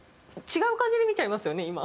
違う感じで見ちゃいますよね